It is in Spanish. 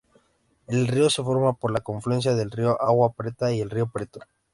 El río se forma por la confluencia del río Agua-Preta y el río Preto.